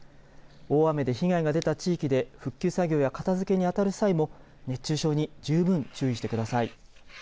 大雨で被害が出た地域で復旧作業や後片づけに当たる際も熱中症に十分注意してください。